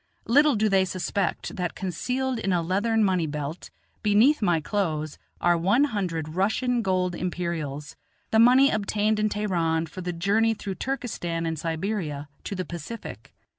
Little do they suspect that concealed in a leathern money belt beneath my clothes are one hundred Russian gold Imperials, the money obtained in Teheran for the journey through Turkestan and Siberia to the Pacific.